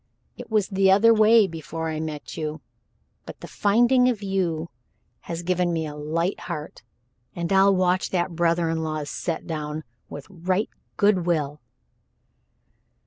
It was the other way before I met you, but the finding of you has given me a light heart, and I'll watch that brother in law's set down with right good will."